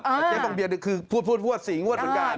เจ๊ฟองเบียร์คือพวด๔งวดเหมือนกันโอ้โฮ